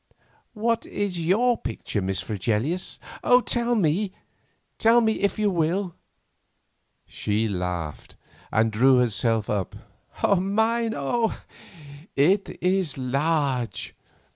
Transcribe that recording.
"What is your picture, Miss Fregelius? Tell me, if you will." She laughed, and drew herself up. "Mine, oh! it is large.